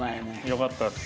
よかったです。